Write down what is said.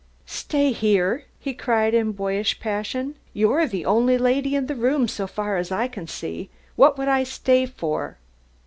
"Stay here?" he cried in boyish passion. "You're the only lady in the room so far as I can see! What would I stay for?"